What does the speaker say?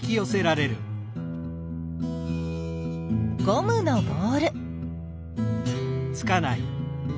ゴムのボール。